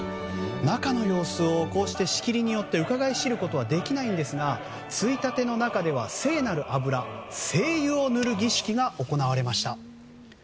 中の様子を仕切りによってうかがい知ることはできないんですがついたての中では聖なる油聖油を塗る儀式が行われました。